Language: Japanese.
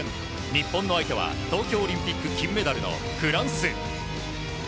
日本の相手は東京オリンピック金メダルのフランス。